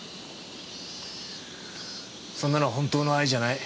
そんなの本当の愛じゃない。